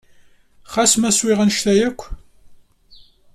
Ɣas ma swiɣ anect-a akk?